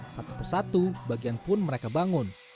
satu persatu bagian pun mereka bangun